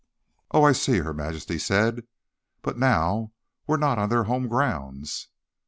"Oh, I see," Her Majesty said. "But now we're not on their home grounds."